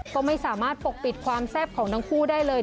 ก็ไม่สามารถปกปิดความแซ่บของทั้งคู่ได้เลย